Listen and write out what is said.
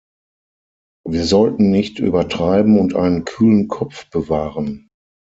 Wir sollten nicht übertreiben und einen kühlen Kopf bewahren!